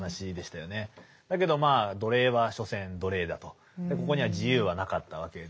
だけど奴隷は所詮奴隷だとここには自由はなかったわけです。